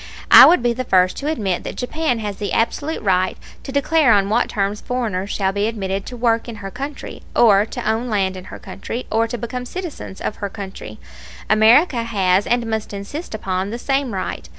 I would be the first to admit that Japan has the absolute right to declare on what terms foreigners shall be admitted to work in her country, or to own land in her country, or to become citizens of her country. America has and must insist upon the same right.